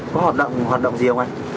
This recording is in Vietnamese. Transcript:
có hoạt động gì không anh